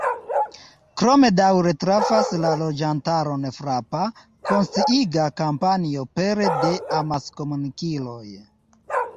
Krome daŭre trafas la loĝantaron frapa, konsciiga kampanjo pere de amaskomunikiloj.